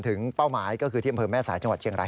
เป้าหมายก็คือที่อำเภอแม่สายจังหวัดเชียงราย